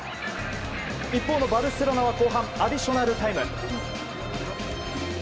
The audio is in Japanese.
一方のバルセロナは後半アディショナルタイム。